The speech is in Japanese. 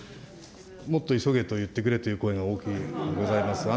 もっと急げと言ってくれという声が大きいようでございます。